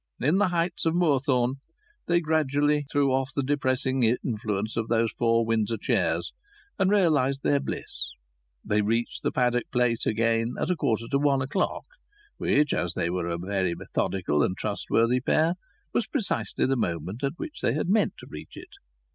In the heights of Moorthorne they gradually threw off the depressing influence of those four Windsor chairs, and realized their bliss. They reached Paddock Place again at a quarter to one o'clock, which, as they were a very methodical and trustworthy pair, was precisely the moment at which they had meant to reach it.